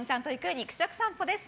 肉食さんぽです。